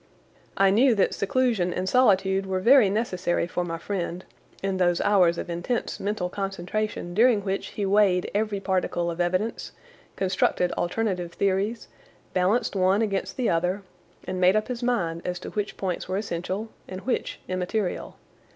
I knew that seclusion and solitude were very necessary for my friend in those hours of intense mental concentration during which he weighed every particle of evidence, constructed alternative theories, balanced one against the other, and made up his mind as to which points were essential and which immaterial.